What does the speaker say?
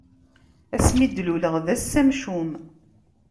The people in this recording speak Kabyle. Ass mi d-luleɣ d ass amcum.